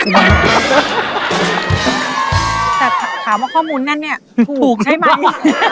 แต่ถามว่าข้อมูลนั่นเนี่ยถูกใช่ไหมว่ะ